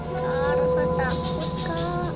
kak rafa takut kak